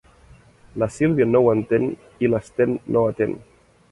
La Sílvia no ho entén i l'Sten no atén.